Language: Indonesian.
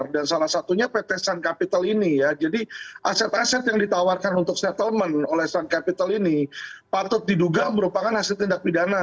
dan salah satunya pt sun capital ini ya jadi aset aset yang ditawarkan untuk settlement oleh sun capital ini patut diduga merupakan hasil tindak pidana